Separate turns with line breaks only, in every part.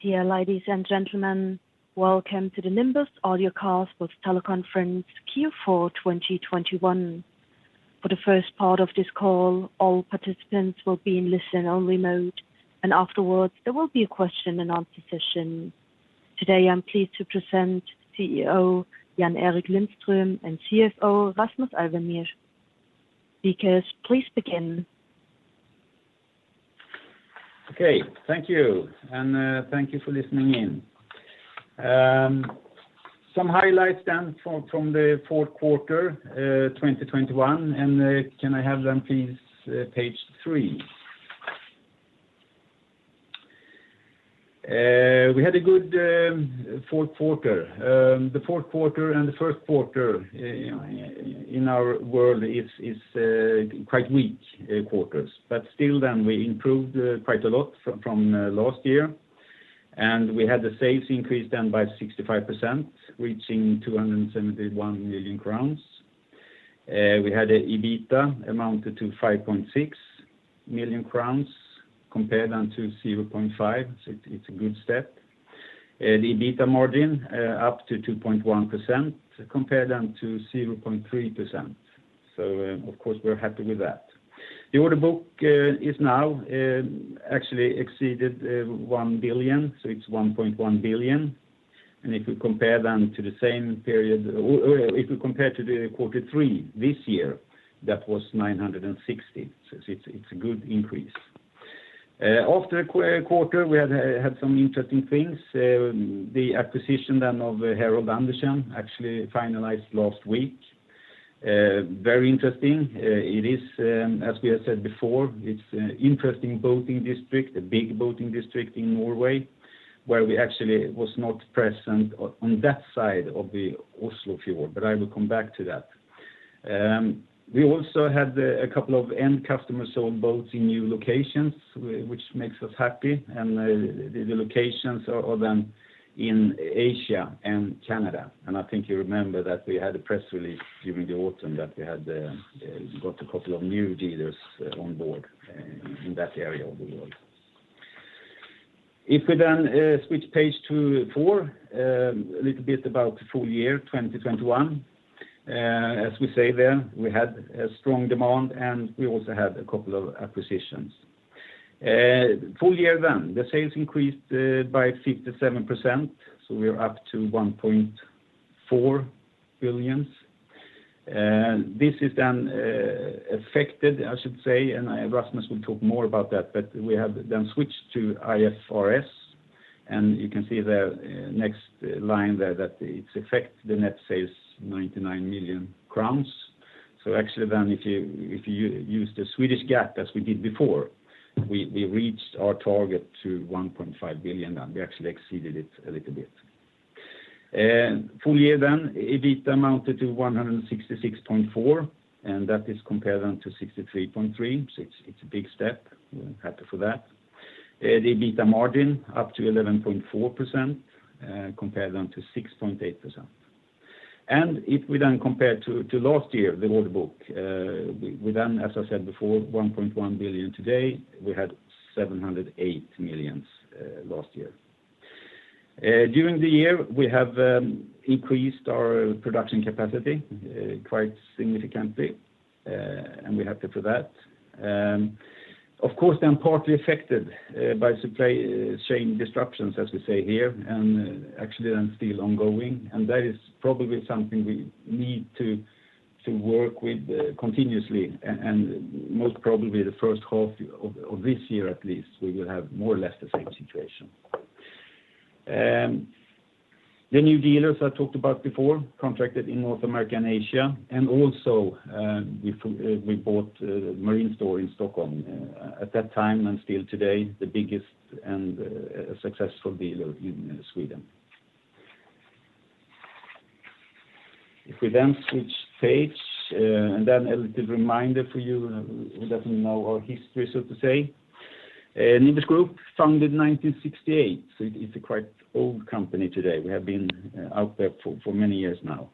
Dear ladies and gentlemen, welcome to the Nimbus Audio Cast both teleconference Q4 2021. For the first part of this call, all participants will be in listen only mode, and afterwards, there will be a question and answer session. Today, I'm pleased to present CEO Jan-Erik Lindström and CFO Rasmus Alvemyr. Speakers, please begin.
Okay. Thank you. Thank you for listening in. Some highlights then from the fourth quarter 2021, and can I have them please, page three? We had a good fourth quarter. The fourth quarter and the first quarter in our world is quite weak quarters. We improved quite a lot from last year. We had the sales increase then by 65%, reaching 271 million crowns. We had EBITDA amounted to 5.6 million crowns compared then to 0.5. It's a good step. The EBITDA margin up to 2.1% compared then to 0.3%. Of course, we're happy with that. The order book is now actually exceeded one billion, so it's 1.1 billion. If you compare then to the same period or if you compare to quarter three this year, that was 960 million. It's a good increase. After a quarter, we had some interesting things. The acquisition then of Herholdt Andersen actually finalized last week. Very interesting. It is, as we have said before, it's an interesting boating district, a big boating district in Norway, where we actually was not present on that side of the Oslo Fjord, but I will come back to that. We also had a couple of end customers sell boats in new locations, which makes us happy. The locations are then in Asia and Canada. I think you remember that we had a press release during the autumn that we got a couple of new dealers on board in that area of the world. If we then switch page to four, a little bit about full year 2021. As we say there, we had a strong demand, and we also had a couple of acquisitions. Full year then the sales increased by 57%, so we are up to 1.4 billion. This is then affected, I should say, and Rasmus will talk more about that, but we have then switched to IFRS, and you can see the next line there that it affects the net sales 99 million crowns. Actually then if you use the Swedish GAAP as we did before, we reached our target to 1.5 billion, and we actually exceeded it a little bit. Full year EBITDA amounted to 166.4, and that is compared then to 63.3. It's a big step. We're happy for that. The EBITDA margin up to 11.4%, compared then to 6.8%. If we then compare to last year, the order book, we then, as I said before, 1.1 billion today, we had 708 million last year. During the year, we have increased our production capacity quite significantly, and we're happy for that. Of course, partly affected by supply chain disruptions, as we say here, and actually are still ongoing. That is probably something we need to work with continuously, and most probably the first half of this year, at least, we will have more or less the same situation. The new dealers I talked about before contracted in North America and Asia, and also we bought Marine Store in Stockholm at that time and still today, the biggest and successful dealer in Sweden. If we then switch page and then a little reminder for you who doesn't know our history, so to say. Nimbus Group founded 1968, so it's a quite old company today. We have been out there for many years now.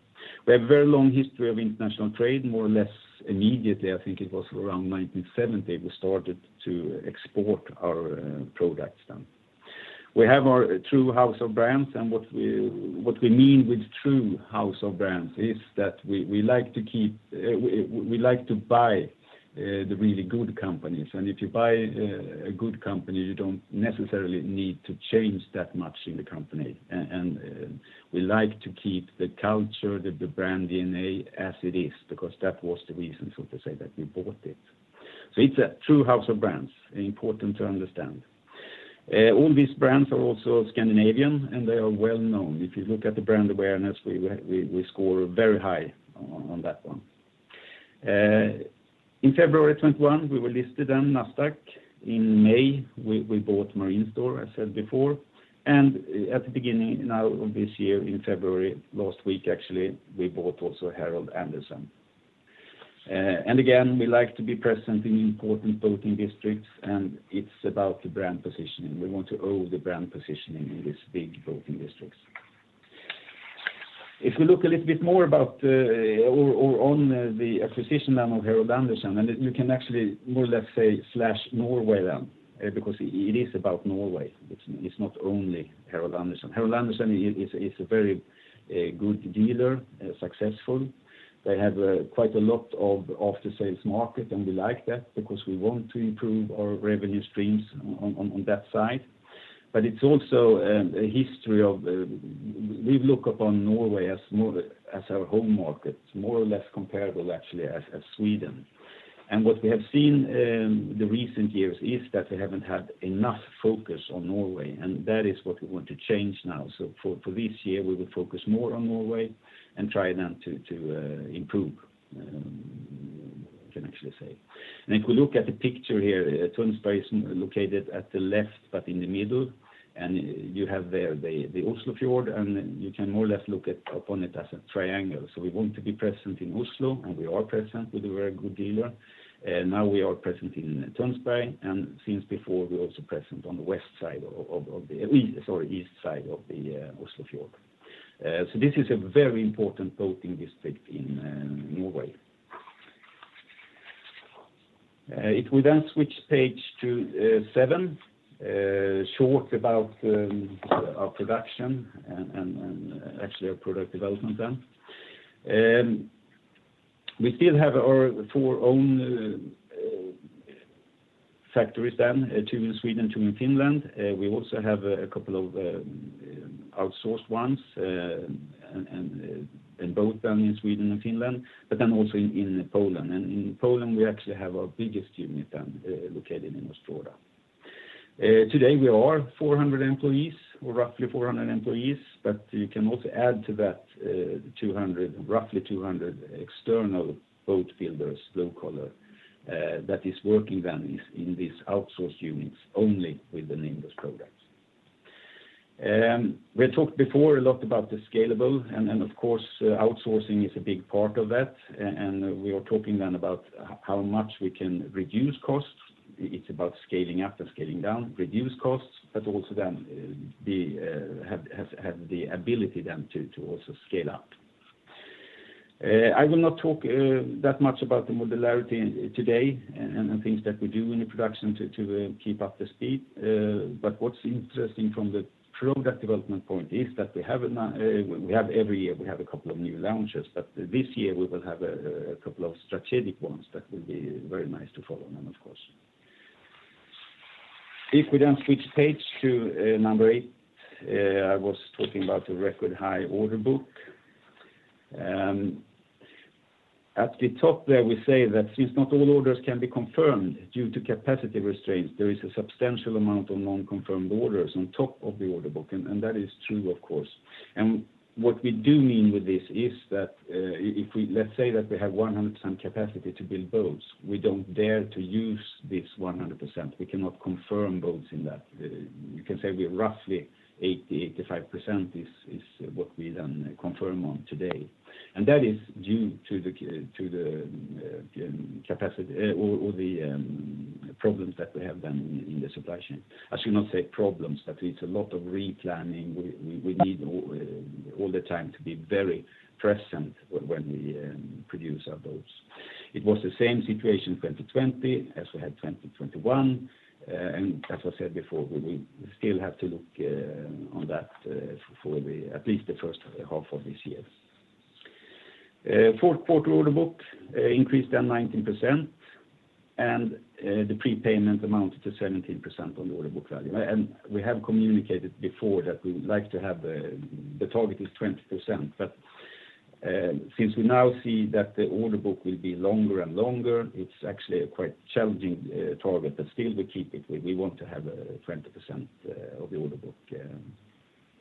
We have a very long history of international trade, more or less immediately. I think it was around 1970 we started to export our products then. We have our true house of brands, and what we mean with true house of brands is that we like to buy the really good companies. If you buy a good company, you don't necessarily need to change that much in the company. We like to keep the culture, the brand DNA as it is, because that was the reason, so to say, that we bought it. It's a true house of brands, important to understand. All these brands are also Scandinavian, and they are well known. If you look at the brand awareness, we score very high on that one. In February 2021, we were listed on Nasdaq. In May, we bought Marine Store, I said before. At the beginning now of this year, in February, last week, actually, we bought also Herholdt Andersen. Again, we like to be present in important boating districts, and it's about the brand positioning. We want to own the brand positioning in these big boating districts. If we look a little bit more about or on the acquisition then of Herholdt Andersen, and you can actually more or less say slash Norway then, because it is about Norway. It's not only Herholdt Andersen. Herholdt Andersen is a very good dealer, successful. They have quite a lot of after-sales market, and we like that because we want to improve our revenue streams on that side. It's also a history of. We look upon Norway as our home market, more or less comparable actually as Sweden. What we have seen in recent years is that we haven't had enough focus on Norway, and that is what we want to change now. For this year, we will focus more on Norway and try then to improve, I can actually say. If we look at the picture here, Tønsberg is located at the left, but in the middle, and you have there the Oslo Fjord, and you can more or less look upon it as a triangle. We want to be present in Oslo, and we are present with a very good dealer. Now we are present in Tønsberg, and since before, we're also present on the east side of the Oslo Fjord. This is a very important boating district in Norway. If we then switch to page seven, shortly about our production and actually our product development. We still have four of our own factories, two in Sweden, two in Finland. We also have a couple of outsourced ones, and both down in Sweden and Finland, but then also in Poland. In Poland, we actually have our biggest unit located in Ostróda. Today we are 400 employees or roughly 400 employees, but you can also add to that roughly 200 external boat builders, blue collar, that is working in these outsourced units only with the Nimbus products. We talked before a lot about the scalability and of course outsourcing is a big part of that. We are talking then about how much we can reduce costs. It's about scaling up and scaling down, reduce costs, but also then we have the ability then to also scale up. I will not talk that much about the modularity today and things that we do in the production to keep up the speed. What's interesting from the product development point is that we have every year a couple of new launches, but this year we will have a couple of strategic ones that will be very nice to follow, of course. If we switch page to number 8, I was talking about the record high order book. At the top there, we say that since not all orders can be confirmed due to capacity restraints, there is a substantial amount of non-confirmed orders on top of the order book. That is true, of course. What we do mean with this is that if we, let's say that we have 100% capacity to build boats, we don't dare to use this 100%. We cannot confirm boats in that. You can say we are roughly 80-85% is what we then confirm on today. That is due to the capacity or the problems that we have then in the supply chain. I should not say problems, but it's a lot of replanning. We need all the time to be very present when we produce our boats. It was the same situation in 2020 as we had in 2021. As I said before, we will still have to look on that for at least the first half of this year. Fourth quarter order book increased then 19%, and the prepayment amounted to 17% on the order book value. We have communicated before that we would like to have the target is 20%. Since we now see that the order book will be longer and longer, it's actually a quite challenging target. Still we keep it. We want to have 20% of the order book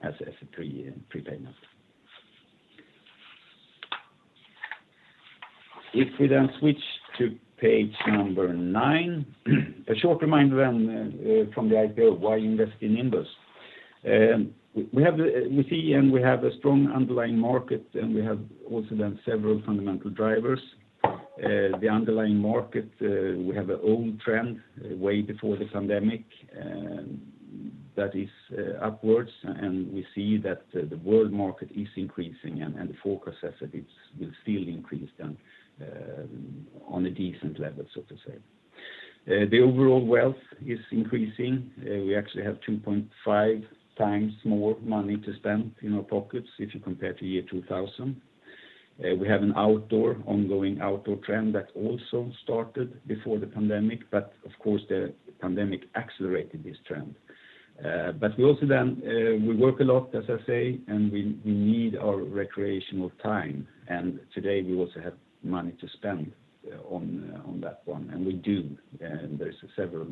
as a prepayment. If we switch to page 9, a short reminder from the idea of why invest in Nimbus. We see and we have a strong underlying market, and we have also several fundamental drivers. The underlying market, we have our own trend way before this pandemic that is upwards, and we see that the world market is increasing and the forecast says that it will still increase then on a decent level, so to say. The overall wealth is increasing. We actually have 2.5 times more money to spend in our pockets if you compare to year 2000. We have an ongoing outdoor trend that also started before the pandemic, but of course, the pandemic accelerated this trend. We work a lot, as I say, and we need our recreational time. Today, we also have money to spend on that one. We do, and there's several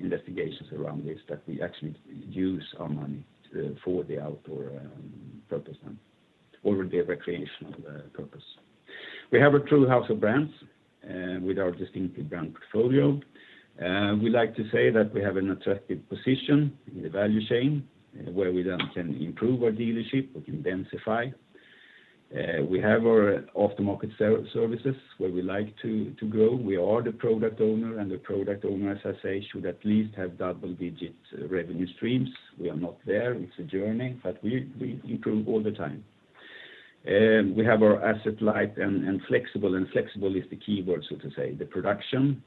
investigations around this that we actually use our money for the outdoor purpose then, or the recreational purpose. We have a true house of brands with our distinctive brand portfolio. We like to say that we have an attractive position in the value chain, where we then can improve our dealership, we can densify. We have our aftermarket services where we like to grow. We are the product owner, as I say, should at least have double-digit revenue streams. We are not there, it's a journey, but we improve all the time. We have our asset-light and flexible, and flexible is the keyword, so to say. The production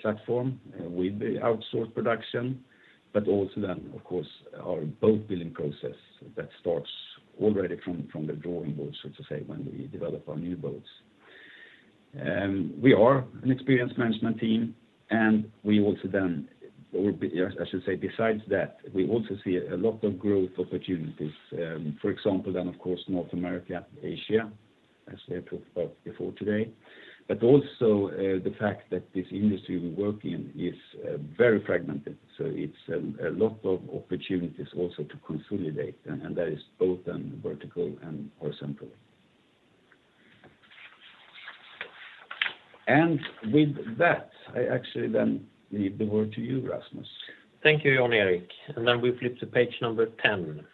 platform with the outsourced production, but also then of course, our boat building process that starts already from the drawing board, so to say, when we develop our new boats. We are an experienced management team, and besides that, we also see a lot of growth opportunities. For example, then of course, North America, Asia, as I talked about before today. Also, the fact that this industry we work in is very fragmented, so it's a lot of opportunities also to consolidate, and that is both in vertical and horizontal. With that, I actually then leave the word to you, Rasmus.
Thank you, Jan-Erik Lindström. We flip to page number 10.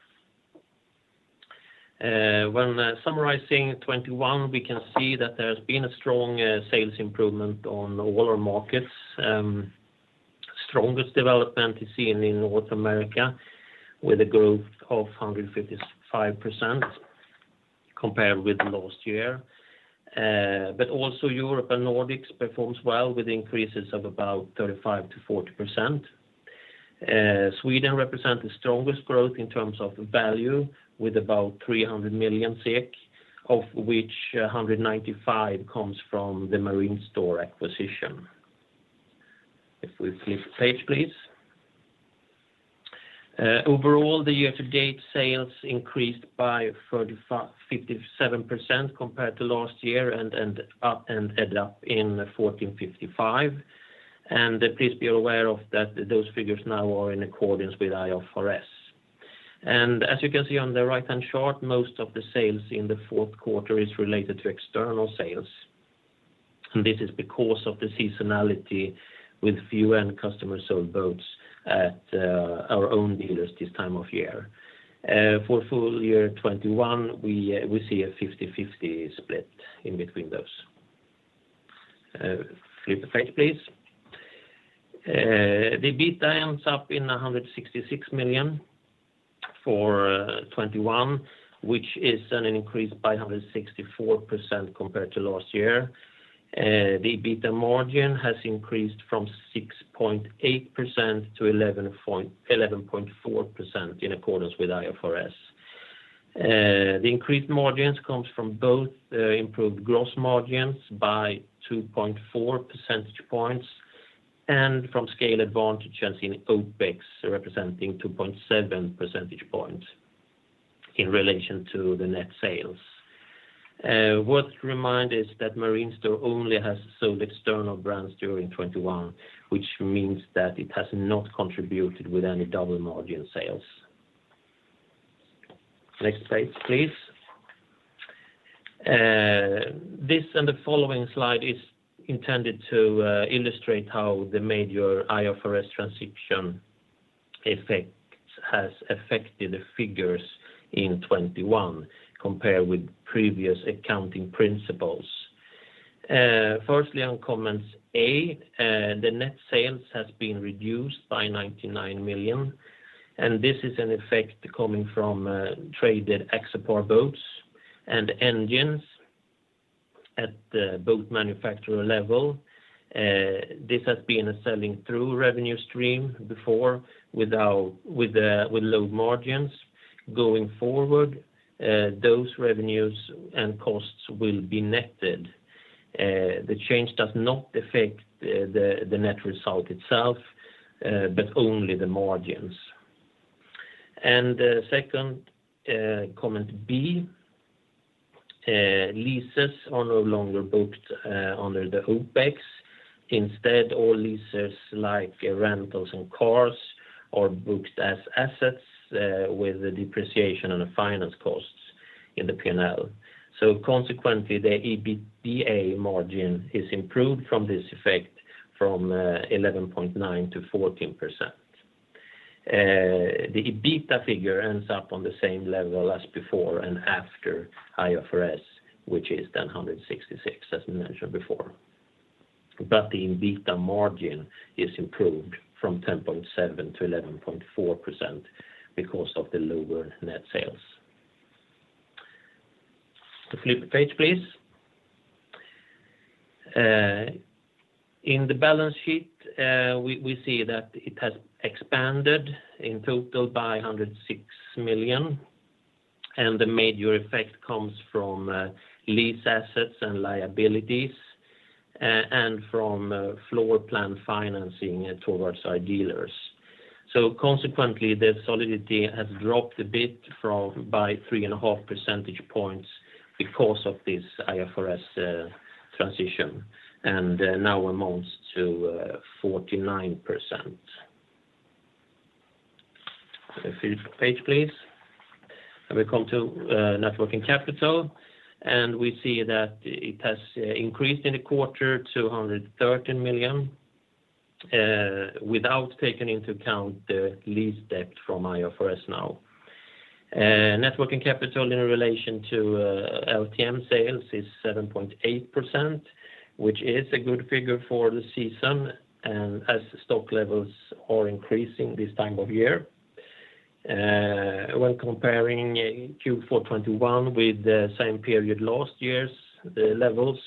When summarizing 2021, we can see that there has been a strong sales improvement on all our markets. Strongest development is seen in North America with a growth of 155% compared with last year. But also Europe and Nordics performs well with increases of about 35%-40%. Sweden represent the strongest growth in terms of value with about 300 million SEK, of which 195 comes from the Marine Store acquisition. If we flip the page, please. Overall, the year-to-date sales increased by 57% compared to last year and ended up in 1,455 million. Please be aware that those figures now are in accordance with IFRS. As you can see on the right-hand chart, most of the sales in the fourth quarter is related to external sales. This is because of the seasonality with fewer end customers sold boats at our own dealers this time of year. For full year 2021, we see a 50-50 split in between those. Flip the page, please. The EBITDA ends up in 166 million for 2021, which is an increase by 164% compared to last year. The EBITDA margin has increased from 6.8%-11.4% in accordance with IFRS. The increased margins comes from both improved gross margins by 2.4 percentage points and from scale advantages in OpEx, representing 2.7 percentage points in relation to the net sales. It's worth reminding that Marine Store only has sold external brands during 2021, which means that it has not contributed with any double margin sales. Next page, please. This and the following slide is intended to illustrate how the major IFRS transition effects has affected the figures in 2021 compared with previous accounting principles. Firstly, on comments A, the net sales has been reduced by 99 million, and this is an effect coming from traded Axopar boats and engines at the boat manufacturer level. This has been a selling through revenue stream before with low margins. Going forward, those revenues and costs will be netted. The change does not affect the net result itself, but only the margins. Second, comment B, leases are no longer booked under the OpEx. Instead, all leases like rentals and cars are booked as assets, with the depreciation and the finance costs in the P&L. Consequently, the EBITDA margin is improved from this effect from 11.9%-14%. The EBITDA figure ends up on the same level as before and after IFRS, which is then 166 million, as mentioned before. The EBITDA margin is improved from 10.7%-11.4% because of the lower net sales. Flip the page, please. In the balance sheet, we see that it has expanded in total by 106 million, and the major effect comes from lease assets and liabilities, and from floorplan financing towards our dealers. Consequently, the solidity has dropped a bit by 3.5 percentage points because of this IFRS transition, and now amounts to 49%. Flip page, please. We come to net working capital, and we see that it has increased in the quarter to 113 million without taking into account the lease debt from IFRS 16. Net working capital in relation to LTM sales is 7.8%, which is a good figure for the season, as stock levels are increasing this time of year. When comparing Q4 2021 with the same period last year’s levels,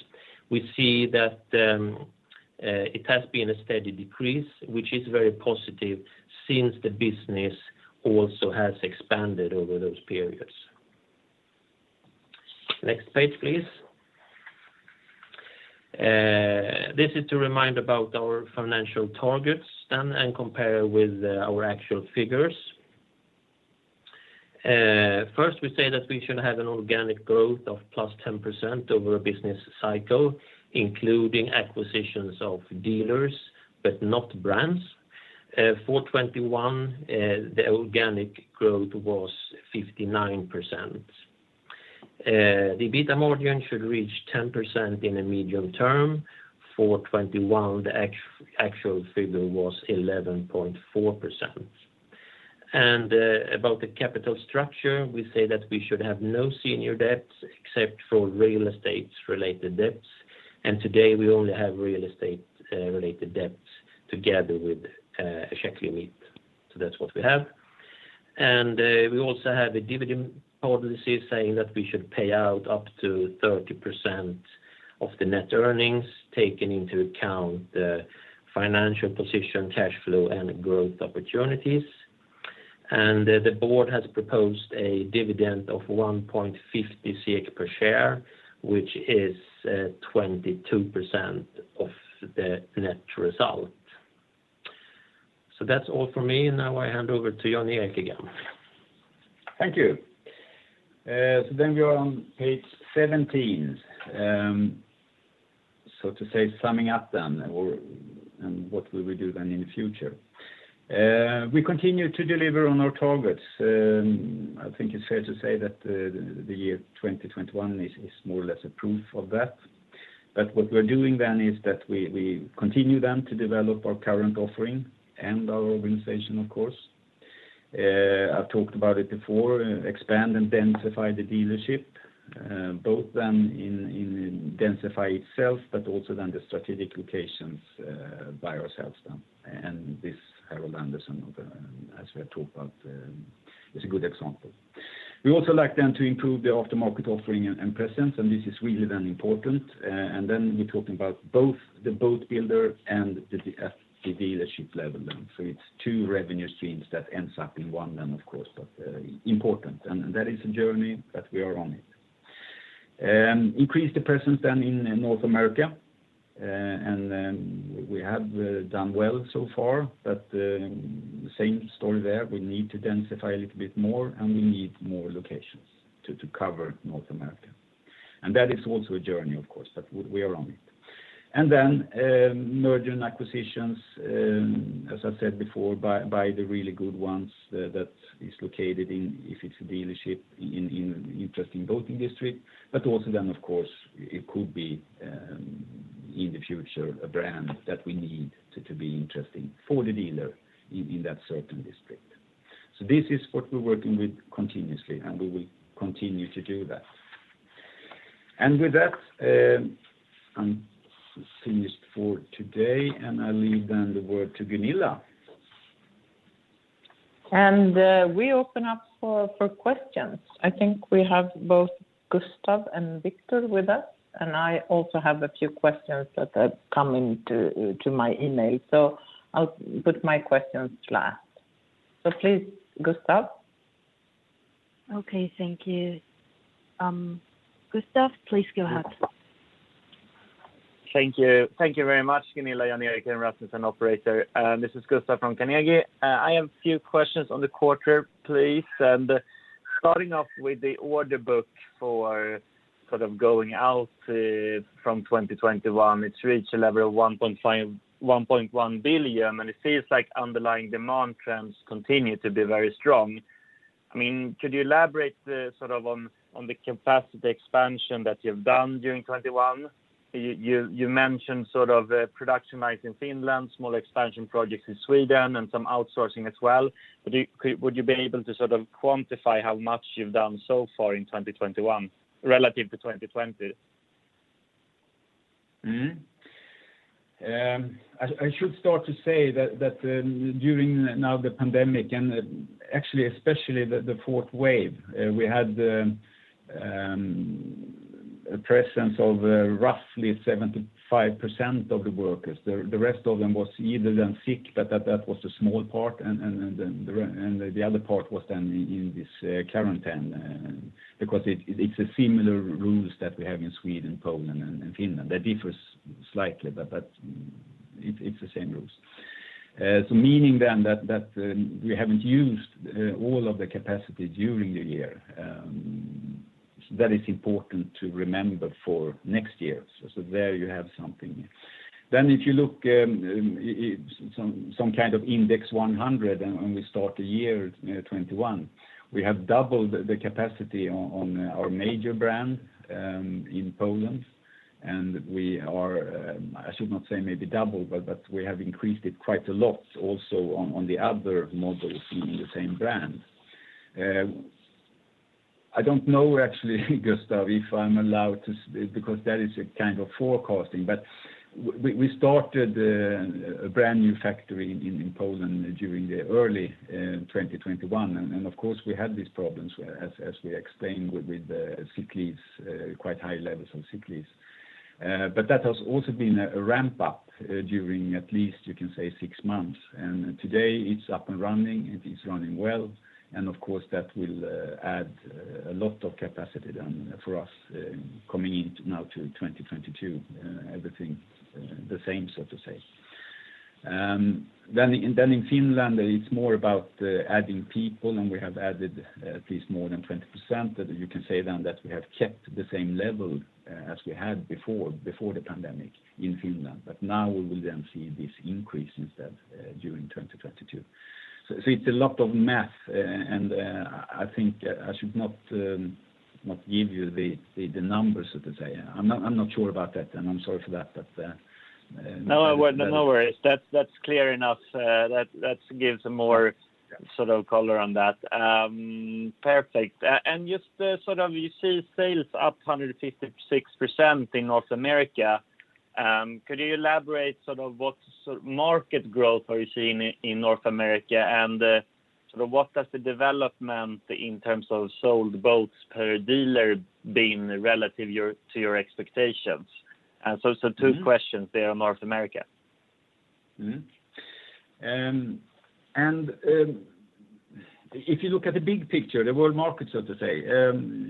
we see that it has been a steady decrease, which is very positive since the business also has expanded over those periods. Next page, please. This is to remind about our financial targets then, and compare with our actual figures. First, we say that we should have an organic growth of +10% over a business cycle, including acquisitions of dealers, but not brands. 2021, the organic growth was 59%. The EBITDA margin should reach 10% in the medium term. 2021, the actual figure was 11.4%. About the capital structure, we say that we should have no senior debts except for real estate related debts. Today, we only have real estate related debts together with skuldmått. That's what we have. We also have a dividend policy saying that we should pay out up to 30% of the net earnings taken into account financial position, cash flow, and growth opportunities. The board has proposed a dividend of 1.50 SEK per share, which is 22% of the net result. That's all for me. Now, I hand over to Jan-Erik again.
Thank you. We are on page 17, so to say summing up and what will we do in the future. We continue to deliver on our targets. I think it's fair to say that the year 2021 is more or less a proof of that. What we're doing is that we continue to develop our current offering and our organization, of course. I've talked about it before, expand and densify the dealership, both in densify itself, but also the strategic locations, by ourselves. This Herholdt Andersen, as we have talked about, is a good example. We also like to improve the aftermarket offering and presence, and this is really important. We're talking about both the boat builder and at the dealership level. It's two revenue streams that ends up in one then, of course, but important. That is a journey that we are on to increase the presence then in North America. We have done well so far, but same story there. We need to densify a little bit more, and we need more locations to cover North America. That is also a journey, of course, but we are on it. Then, merger and acquisitions, as I said before, buy the really good ones that is located in, if it's a dealership in interesting boating district, but also then, of course, it could be, in the future, a brand that we need to be interesting for the dealer in that certain district. This is what we're working with continuously, and we will continue to do that. With that, I'm finished for today, and I leave the word to Gunilla.
We open up for questions. I think we have both Gustav and Victor with us, and I also have a few questions that are coming to my email. I'll put my questions last. Please, Gustav.
Okay, thank you. Gustav, please go ahead.
Thank you. Thank you very much, Gunilla, Jan-Erik, and Rasmus, operator. This is Gustav from Carnegie. I have a few questions on the quarter, please. Starting off with the order book for sort of going out from 2021, it's reached a level of 1.1 billion, and it seems like underlying demand trends continue to be very strong. I mean, could you elaborate sort of on the capacity expansion that you've done during 2021? You mentioned sort of production rise in Finland, small expansion projects in Sweden, and some outsourcing as well. Would you be able to sort of quantify how much you've done so far in 2021 relative to 2020?
I should start to say that during now the pandemic, and actually especially the fourth wave, we had a presence of roughly 75% of the workers. The rest of them was either then sick, but that was a small part, and the other part was then in this quarantine. Because it's a similar rules that we have in Sweden, Poland, and Finland. They differ slightly, but it's the same rules. Meaning that we haven't used all of the capacity during the year. That is important to remember for next year. There you have something. If you look, some kind of index 100 and when we start the year, you know, 2021, we have doubled the capacity on our major brand in Poland. I should not say maybe double, but we have increased it quite a lot also on the other models in the same brand. I don't know actually Gustav if I'm allowed to because that is a kind of forecasting. We started a brand new factory in Poland during the early 2021, and of course, we had these problems as we explained with sick leaves quite high levels of sick leaves. That has also been a ramp up during at least you can say six months, and today it's up and running, it is running well, and of course, that will add a lot of capacity then for us coming into now to 2022, everything the same so to say. Then in Finland, it's more about adding people, and we have added at least more than 20%. That you can say then that we have kept the same level as we had before the pandemic in Finland. Now we will then see this increase instead during 2022. It's a lot of math and I think I should not give you the numbers so to say. I'm not sure about that, and I'm sorry for that.
No, well, no worries. That's clear enough. That gives a more sort of color on that. Perfect. Just sort of you see sales up 156% in North America, could you elaborate sort of what sort of market growth are you seeing in North America and sort of what does the development in terms of sold boats per dealer been relative to your expectations? Two questions there on North America.
If you look at the big picture, the world market so to say,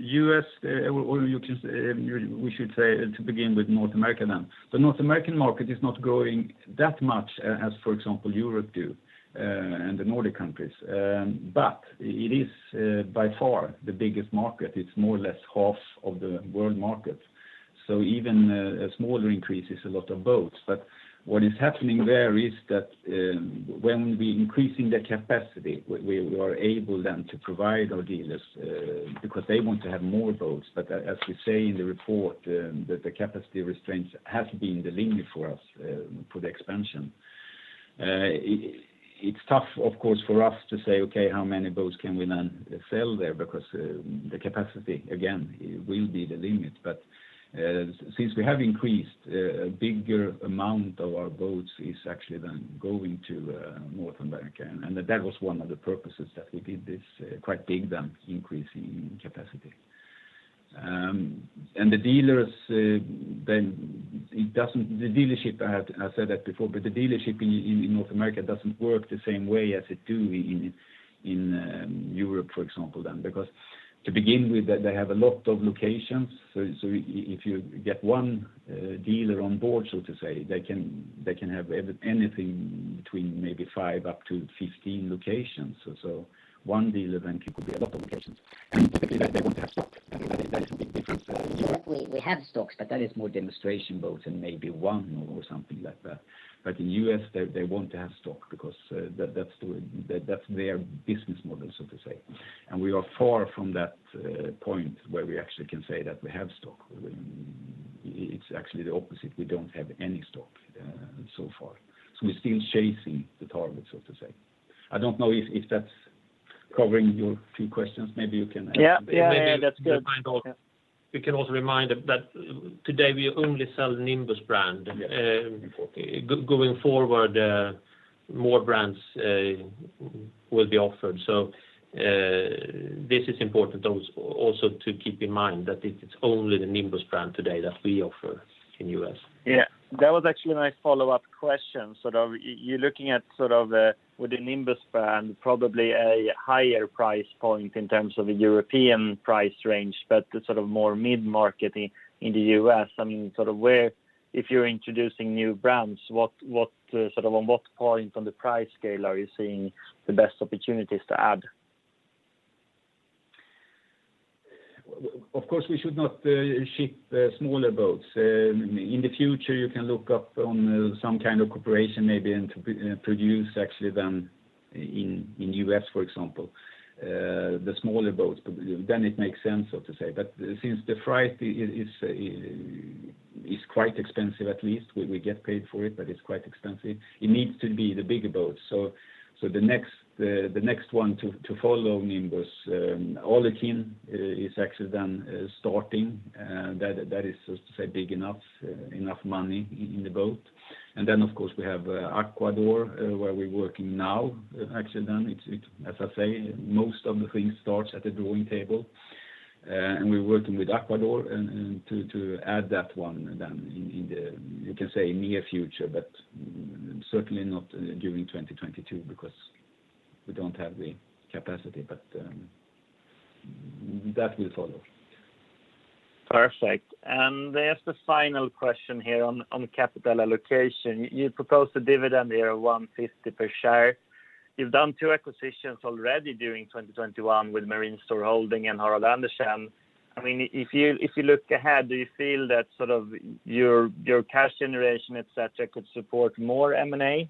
U.S., or you can say, we should say to begin with North America then. The North American market is not growing that much, as for example, Europe does, and the Nordic countries. It is by far the biggest market. It's more or less half of the world market. Even a smaller increase is a lot of boats. What is happening there is that, when we are increasing the capacity, we are able then to provide our dealers, because they want to have more boats. As we say in the report, that the capacity constraints has been the limit for us, for the expansion. It's tough of course for us to say, "Okay, how many boats can we then sell there?" Because the capacity again will be the limit. Since we have increased, a bigger amount of our boats is actually then going to North America, and that was one of the purposes that we did this quite big then increase in capacity. The dealers, then it doesn't. The dealership, I said that before, but the dealership in North America doesn't work the same way as it do in Europe, for example, then. Because to begin with, they have a lot of locations. If you get one dealer on board so to say, they can have anything between maybe five up to 15 locations. One dealer then could be a lot of locations, and they want to have stock. That is a big difference. In Europe we have stocks, but that is more demonstration boats and maybe one or something like that. But in U.S., they want to have stock because that's their business model so to say. We are far from that point where we actually can say that we have stock. It's actually the opposite, we don't have any stock so far. We're still chasing the target so to say. I don't know if that's covering your two questions. Maybe you can ask.
Yeah, that's good.
We can also remind that today we only sell Nimbus brand. Going forward, more brands will be offered. This is also important to keep in mind that it's only the Nimbus brand today that we offer in U.S.
Yeah. That was actually a nice follow-up question. Sort of you're looking at sort of with the Nimbus brand, probably a higher price point in terms of a European price range, but sort of more mid-market in the U.S. I mean, sort of where, if you're introducing new brands, what sort of on what point on the price scale are you seeing the best opportunities to add?
Of course, we should not ship smaller boats. In the future, you can look up on some kind of cooperation maybe and to produce actually then in U.S., for example, the smaller boats. It makes sense so to say. Since the freight is quite expensive, at least we get paid for it, but it's quite expensive, it needs to be the bigger boats. The next one to follow Nimbus, Alukin, is actually then starting. That is so to say big enough money in the boat. Of course we have Aquador, where we're working now actually then. It's it. As I say, most of the things starts at the drawing table, and we're working with Aquador and to add that one then in the you can say near future, but certainly not during 2022 because we don't have the capacity. That will follow.
Perfect. As the final question here on capital allocation, you propose the dividend there of 1.50 per share. You've done two acquisitions already during 2021 with Marine Store Holding and Herholdt Andersen. I mean, if you look ahead, do you feel that sort of your cash generation, et cetera, could support more M&A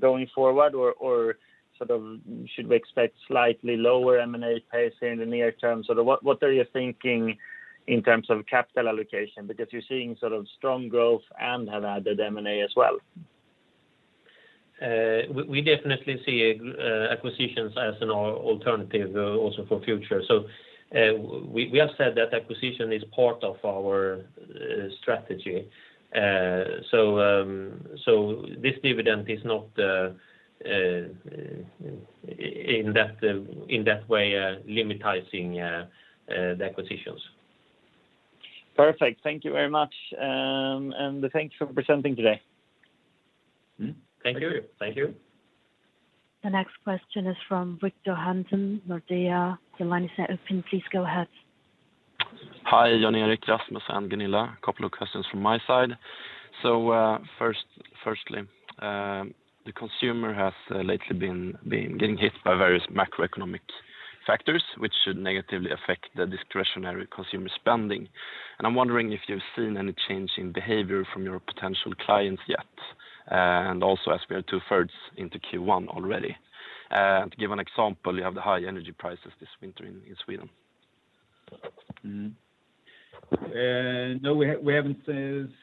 going forward? Or sort of should we expect slightly lower M&A pace in the near term? What are you thinking in terms of capital allocation? Because you're seeing sort of strong growth and have added M&A as well.
We definitely see acquisitions as an alternative also for future. We have said that acquisition is part of our strategy. This dividend is not in that way limiting the acquisitions.
Perfect. Thank you very much. Thank you for presenting today.
Mm-hmm. Thank you.
Thank you.
The next question is from Victor Hansen, Nordea. Your line is open. Please go ahead.
Hi, Jan-Erik, Rasmus, and Gunilla. A couple of questions from my side. Firstly, the consumer has lately been getting hit by various macroeconomic factors, which should negatively affect the discretionary consumer spending. I'm wondering if you've seen any change in behavior from your potential clients yet, and also as we are two-thirds into Q1 already. To give an example, you have the high energy prices this winter in Sweden.
No, we haven't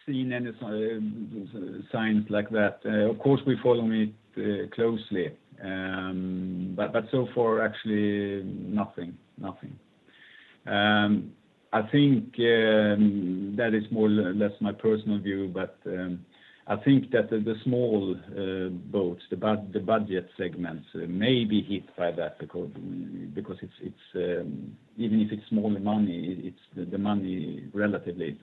seen any signs like that. Of course, we follow it closely. But so far actually nothing. I think that is more or less my personal view, but I think that the small boats, the budget segments may be hit by that because it's even if it's small money, it's the money relatively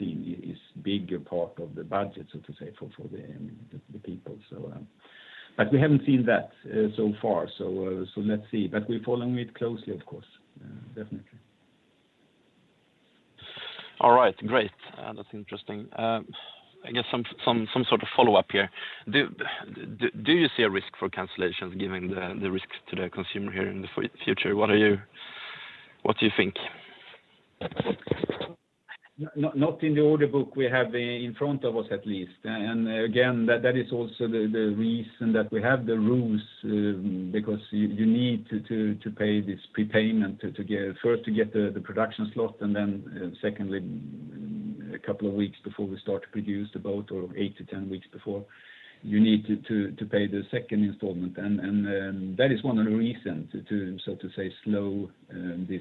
seen is bigger part of the budget, so to say, for the people. But we haven't seen that so far. Let's see. But we're following it closely, of course. Definitely.
All right. Great. That's interesting. I guess some sort of follow-up here. Do you see a risk for cancellations given the risks to the consumer here in the future? What do you think?
Not in the order book we have in front of us at least. Again, that is also the reason that we have the rules, because you need to pay this prepayment to get first the production slot, and then secondly, a couple of weeks before we start to produce the boat or 8-10 weeks before, you need to pay the second installment. That is one of the reasons to so to say slow this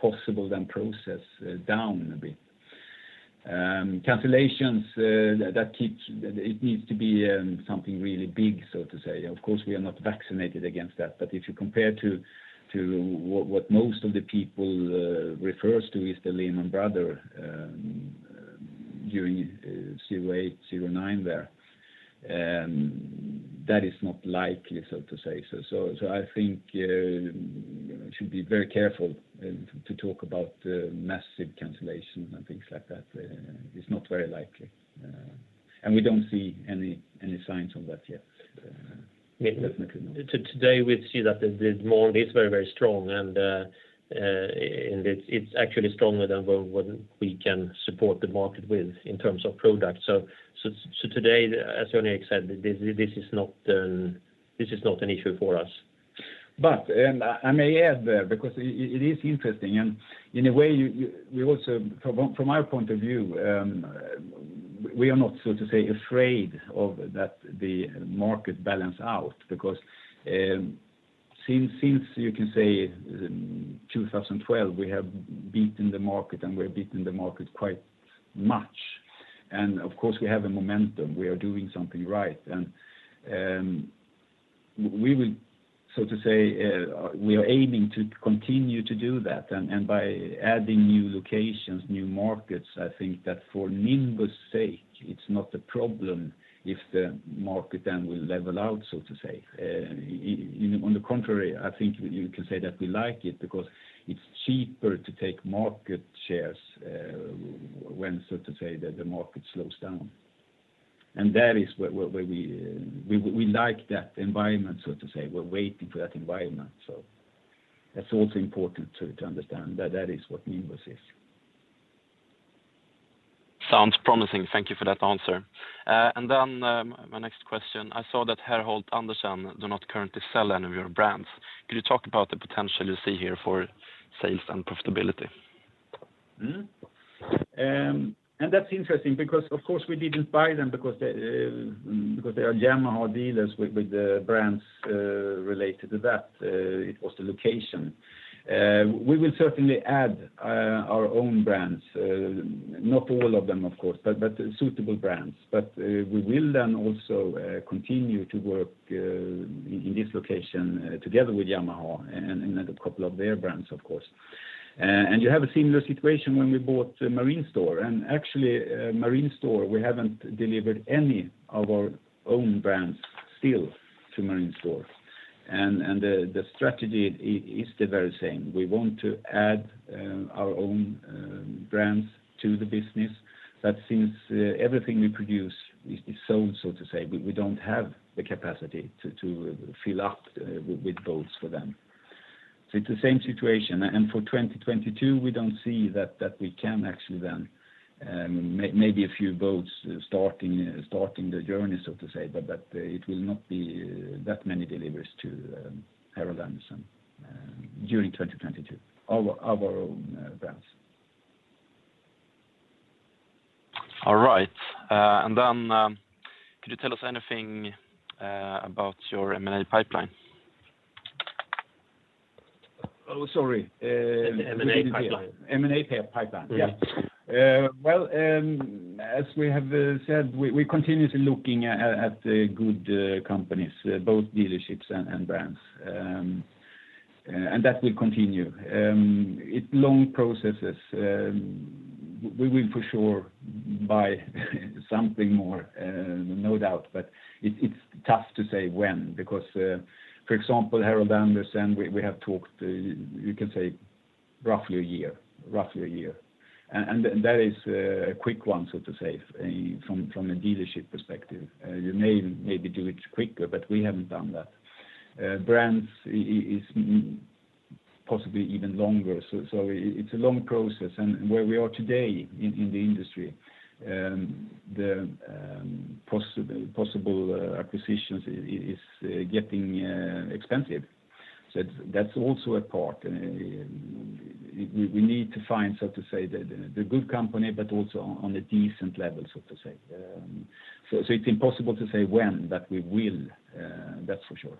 possible cancellation process down a bit. Cancellations. It needs to be something really big, so to say. Of course, we are not vaccinated against that. If you compare to what most of the people refers to is the Lehman Brothers during 2008, 2009 there, that is not likely, so to say. I think we should be very careful to talk about massive cancellation and things like that. It's not very likely. We don't see any signs on that yet. Definitely not.
Today, we see that the demand is very strong, and it's actually stronger than what we can support the market with in terms of product. Today, as Jan-Erik said, this is not an issue for us.
I may add there because it is interesting, and in a way, we also from our point of view, we are not so to say afraid of that the market balance out because since you can say 2012, we have beaten the market, and we're beating the market quite much. Of course, we have a momentum. We are doing something right. We would so to say we are aiming to continue to do that. By adding new locations, new markets, I think that for Nimbus' sake, it's not a problem if the market then will level out, so to say. On the contrary, I think you can say that we like it because it's cheaper to take market shares when so to say the market slows down. That is where we like that environment, so to say. We're waiting for that environment, so that's also important to understand that that is what Nimbus is.
Sounds promising. Thank you for that answer. My next question, I saw that Herholdt Andersen do not currently sell any of your brands. Could you talk about the potential you see here for sales and profitability?
That's interesting because, of course, we didn't buy them because they are Yamaha dealers with the brands related to that. It was the location. We will certainly add our own brands, not all of them, of course, but suitable brands. We will then also continue to work in this location together with Yamaha and then a couple of their brands, of course. You have a similar situation when we bought Marine Store. Actually, Marine Store, we haven't delivered any of our own brands still to Marine Store. The strategy is the very same. We want to add our own brands to the business. Since everything we produce is sold, so to say, we don't have the capacity to fill up with boats for them. So it's the same situation. For 2022, we don't see that we can actually then maybe a few boats starting the journey, so to say, but that it will not be that many deliveries to Herholdt Andersen during 2022, our own brands.
All right. Could you tell us anything about your M&A pipeline?
Oh, sorry.
M&A pipeline.
M&A pipeline. Well, as we have said, we continuously looking at the good companies, both dealerships and brands. And that will continue. It long processes. We will for sure buy something more, no doubt, but it's tough to say when, because, for example, Herholdt Andersen, we have talked, you can say roughly a year. And that is a quick one, so to say, from a dealership perspective. You maybe do it quicker, but we haven't done that. Brands is possibly even longer. It's a long process. Where we are today in the industry, the possible acquisitions is getting expensive. That's also a part. We need to find, so to say, the good company, but also on a decent level, so to say. It's impossible to say when, but we will, that's for sure.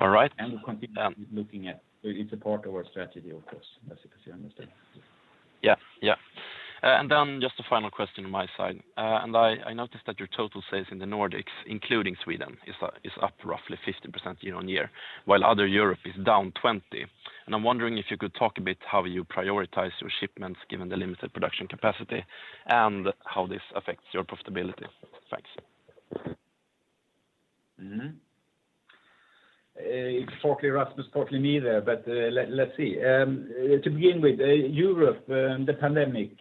All right.
It's a part of our strategy, of course, as you can understand.
Yeah. Yeah. Just a final question on my side. I noticed that your total sales in the Nordics, including Sweden, is up roughly 50% year-over-year, while other Europe is down 20%. I'm wondering if you could talk a bit how you prioritize your shipments given the limited production capacity, and how this affects your profitability. Thanks.
It's fortunately Rasmus, fortunately me there, but let's see. To begin with, Europe, the pandemic,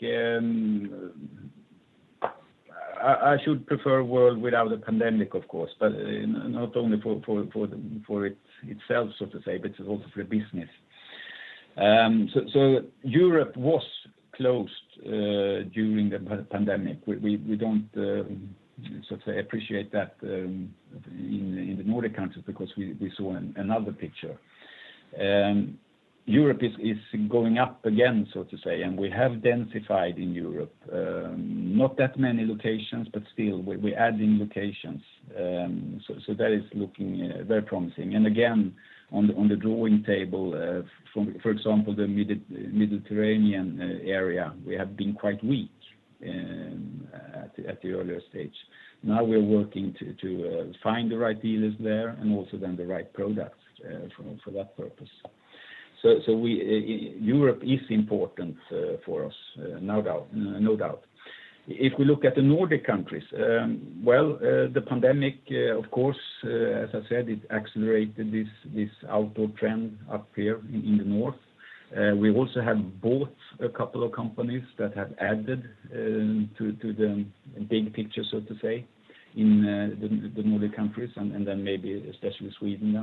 I should prefer a world without a pandemic, of course, but not only for itself, so to say, but also for business. So Europe was closed during the pandemic. We don't, so to say, appreciate that in the Nordic countries because we saw another picture. Europe is going up again, so to say, and we have densified in Europe, not that many locations, but still we adding locations. So that is looking very promising. Again, on the drawing table, for example, the Mediterranean area, we have been quite weak at the earlier stage. Now we're working to find the right dealers there and also then the right products for that purpose. Europe is important for us, no doubt. If we look at the Nordic countries, the pandemic of course as I said it accelerated this outdoor trend up here in the north. We also have bought a couple of companies that have added to the big picture, so to say, in the Nordic countries and then maybe especially Sweden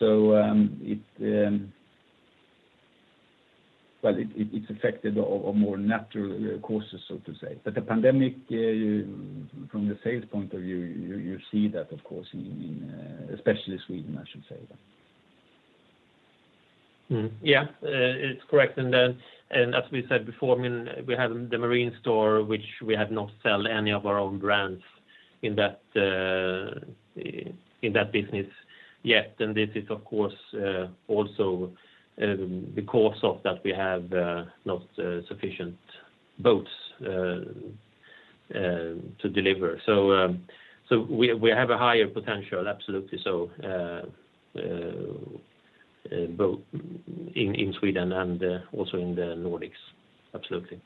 then. Well, it affected of more natural causes, so to say. The pandemic from the sales point of view, you see that of course in especially Sweden, I should say then.
It's correct. As we said before, I mean, we have the Marine Store, which we have not sold any of our own brands in that business yet. This is of course also because of that we do not have sufficient boats to deliver. We have a higher potential. Absolutely. Both in Sweden and also in the Nordics. Absolutely.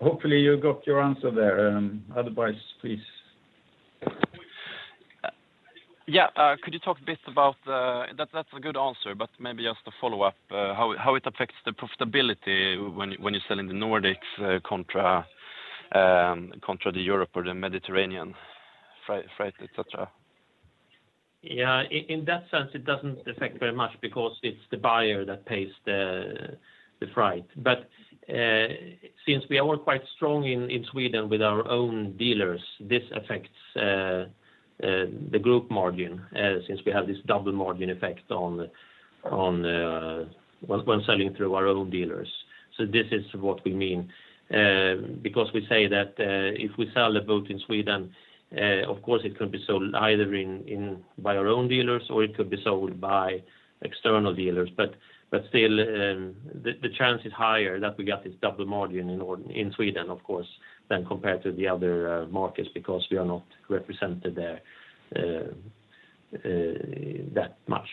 Hopefully you got your answer there. Otherwise, please.
Yeah. That's a good answer, but maybe just to follow up, how it affects the profitability when you're selling the Nordics contra the Europe or the Mediterranean freight, et cetera?
Yeah. In that sense, it doesn't affect very much because it's the buyer that pays the freight. But since we are quite strong in Sweden with our own dealers, this affects the group margin since we have this double margin effect on when selling through our own dealers. So this is what we mean. Because we say that if we sell a boat in Sweden, of course, it could be sold either in by our own dealers or it could be sold by external dealers. But still, the chance is higher that we get this double margin in Sweden, of course, than compared to the other markets, because we are not represented there that much.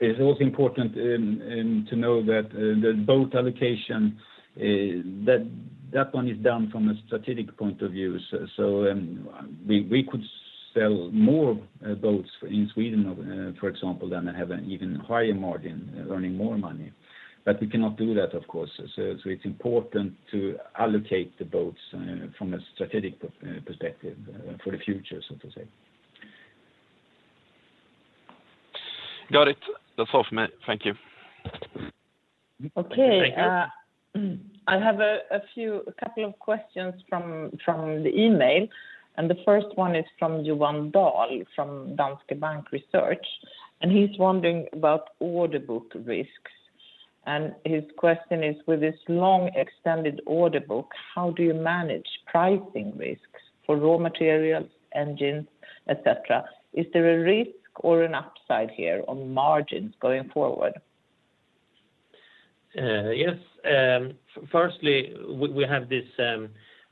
It's also important to know that the boat allocation that one is done from a strategic point of view. We could sell more boats in Sweden, for example, than have an even higher margin earning more money. We cannot do that, of course. It's important to allocate the boats from a strategic perspective for the future, so to say.
Got it. That's all from me. Thank you.
Okay. I have a couple of questions from the email, and the first one is from Johan Dahl from Danske Bank Research, and he's wondering about order book risks. His question is, with this long extended order book, how do you manage pricing risks for raw materials, engines, et cetera? Is there a risk or an upside here on margins going forward?
Yes. Firstly, we have this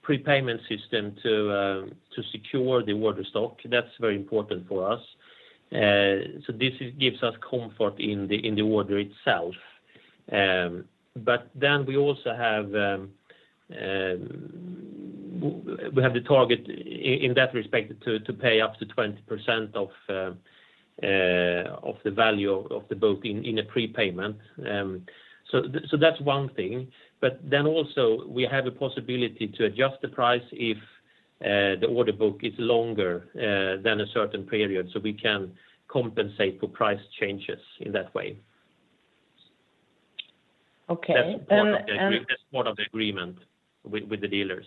prepayment system to secure the order stock. That's very important for us. This gives us comfort in the order itself. We also have the target in that respect to pay up to 20% of the value of the boat in a prepayment. That's one thing. We have a possibility to adjust the price if the order book is longer than a certain period, so we can compensate for price changes in that way.
Okay.
That's part of the agreement with the dealers.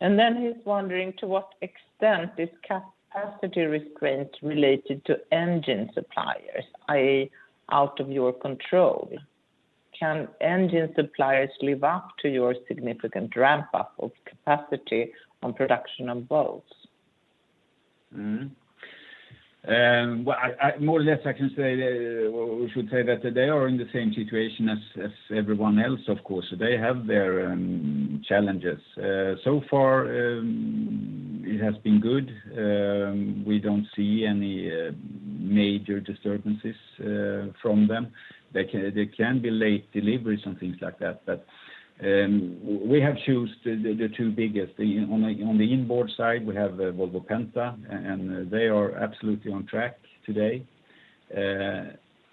He's wondering to what extent is capacity restraint related to engine suppliers, i.e., out of your control? Can engine suppliers live up to your significant ramp up of capacity on production of boats?
Well, more or less I can say we should say that they are in the same situation as everyone else, of course. They have their challenges. So far, it has been good. We don't see any major disturbances from them. They can be late deliveries and things like that, but we have chosen the two biggest. On the inboard side we have Volvo Penta, and they are absolutely on track today.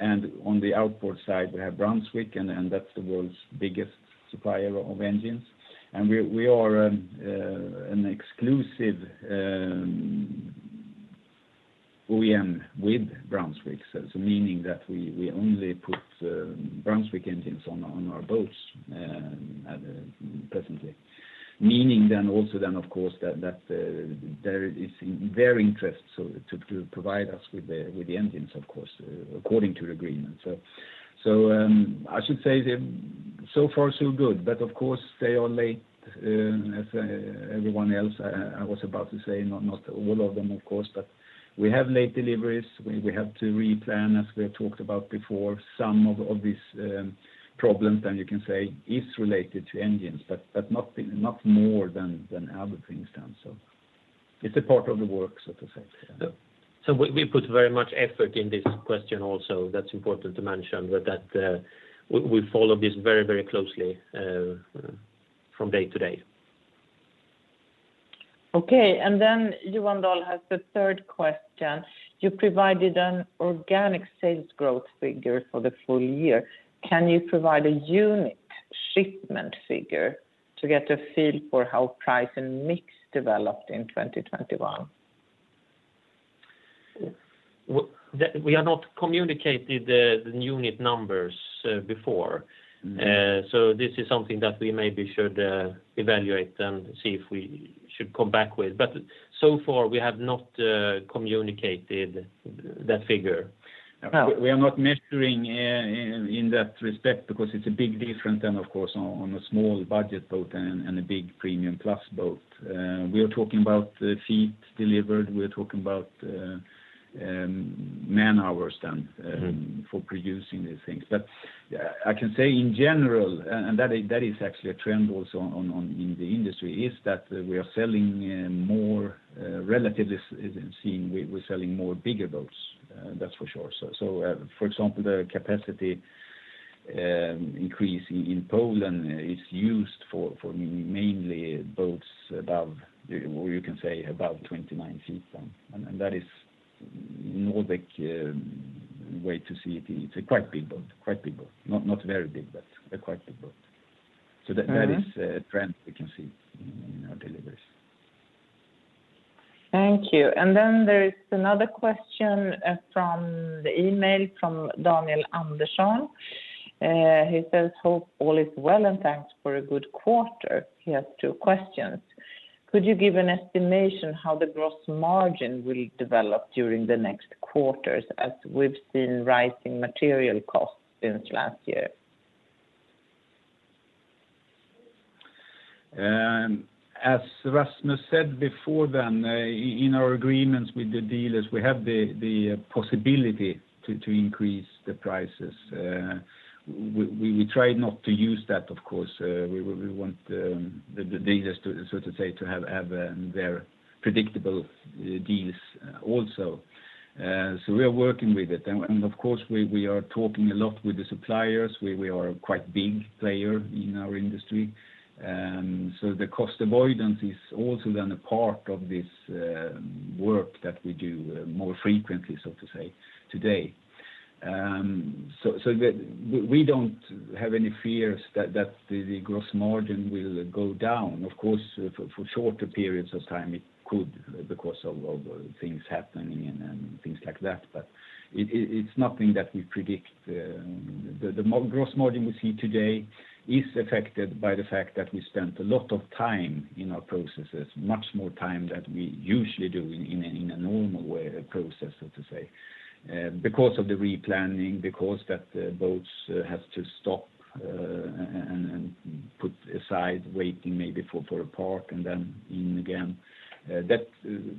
On the outboard side, we have Brunswick, and that's the world's biggest supplier of engines. We are an exclusive OEM with Brunswick, so it means that we only put Brunswick engines on our boats, presently. Meaning also, of course, that there is in their interest, so to provide us with the engines, of course, according to the agreement. I should say so far so good. Of course, they are late, as everyone else, I was about to say. Not all of them, of course, but we have late deliveries. We have to replan, as we have talked about before, some of these problems then you can say is related to engines, but not more than other things then, so. It's a part of the work, so to say. Yeah.
We put very much effort in this question also. That's important to mention, that we follow this very, very closely from day to day.
Okay. Johan Dahl has the third question. You provided an organic sales growth figure for the full year. Can you provide a unit shipment figure to get a feel for how price and mix developed in 2021?
We have not communicated the unit numbers before. This is something that we maybe should evaluate and see if we should come back with. So far we have not communicated that figure.
Well.
We are not measuring in that respect because it's a big difference than, of course, on a small budget boat and a big premium plus boat. We are talking about man-hours then for producing these things. I can say in general, that is actually a trend also in the industry, is that we are selling more relatively bigger boats. That's for sure. For example, the capacity increase in Poland is used for mainly boats above, or you can say above 29 feet then. That is the Nordic way to see it. It's a quite big boat. Not very big, but a quite big boat. That is a trend we can see in our deliveries.
Thank you. There is another question from the email from Daniel Andersson. He says, "Hope all is well, and thanks for a good quarter." He has two questions. Could you give an estimation how the gross margin will develop during the next quarters, as we've seen rising material costs since last year?
As Rasmus said before then, in our agreements with the dealers, we have the possibility to increase the prices. We try not to use that, of course. We want the dealers to, so to say, to have their predictable deals also. We are working with it. Of course, we are talking a lot with the suppliers. We are a quite big player in our industry. The cost avoidance is also then a part of this work that we do more frequently, so to say, today. We don't have any fears that the gross margin will go down. Of course, for shorter periods of time, it could because of things happening and things like that. It is nothing that we predict. The gross margin we see today is affected by the fact that we spent a lot of time in our processes, much more time than we usually do in a normal way, process, so to say. Because of the re-planning, because the boats have to stop and put aside, waiting maybe for a part, and then in again, that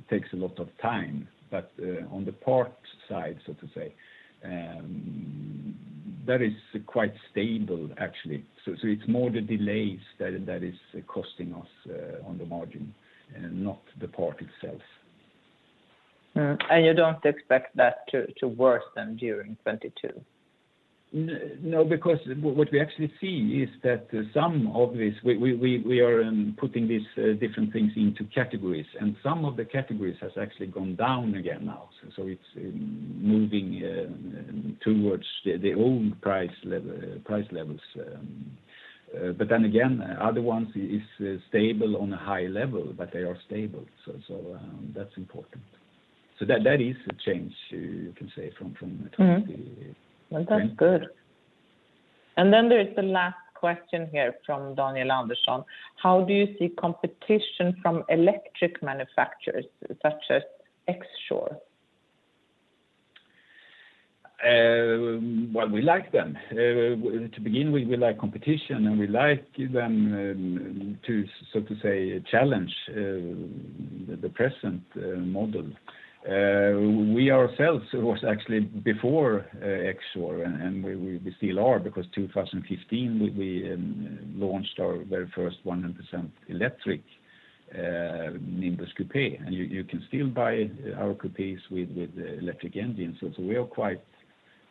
takes a lot of time. On the cost side, so to say, that is quite stable, actually. It's more the delays that is costing us on the margin, not the cost itself.
You don't expect that to worsen during 2022?
No, because what we actually see is that some of this we are putting these different things into categories, and some of the categories has actually gone down again now. It's moving towards the old price levels. Then again, other ones is stable on a high level, but they are stable. That's important. That is a change, you can say, from 2020.
Well, that's good. There is the last question here from Daniel Andersson, "How do you see competition from electric manufacturers such as X Shore?
Well, we like them. To begin with, we like competition, and we like them to so to say challenge the present model. We ourselves was actually before X Shore, and we still are, because 2015, we launched our very first 100% electric Nimbus Coupé. You can still buy our coupes with electric engines. We are quite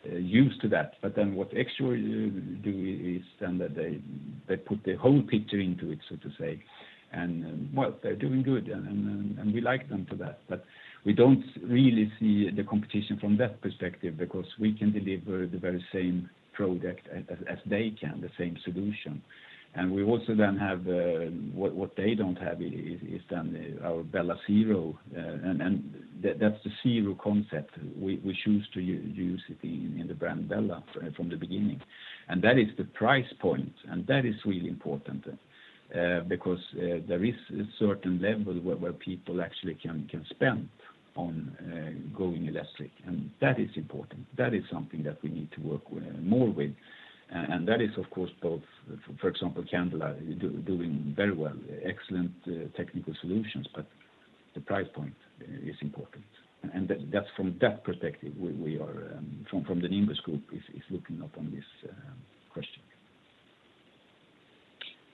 used to that. What X Shore do is that they put the whole picture into it, so to say. Well, they're doing good, and we like them for that. We don't really see the competition from that perspective, because we can deliver the very same product as they can, the same solution. We also then have what they don't have is then our Bella ZERO. That's the ZERO concept. We choose to use it in the brand Bella from the beginning. That is the price point, and that is really important, because there is a certain level where people actually can spend on going electric. That is important. That is something that we need to work more with. That is, of course, both, for example, Candela doing very well, excellent technical solutions, but the price point is important. That's from that perspective, we are from the Nimbus Group is looking up on this question.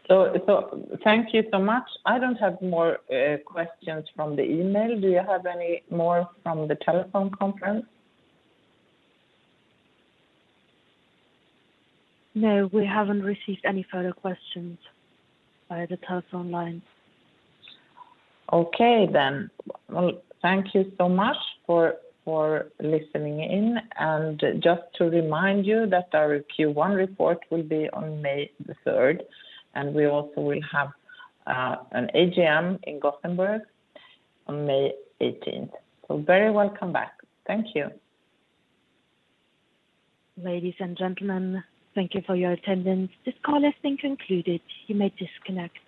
Thank you so much. I don't have more questions from the email. Do you have any more from the telephone conference?
No, we haven't received any further questions via the telephone lines.
Okay. Well, thank you so much for listening in. Just to remind you that our Q1 report will be on May the 3rd, and we also will have an AGM in Gothenburg on May 18th. You're very welcome back. Thank you.
Ladies and gentlemen, thank you for your attendance. This call has been concluded. You may disconnect.